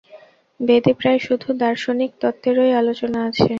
বেদে প্রায় শুধু দার্শনিক তত্ত্বেরই আলোচনা আছে।